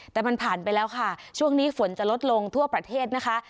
แต่มันผ่านไปแล้วค่ะช่วงนี้ฝนจะลดลงทั่วประเทศนะคะ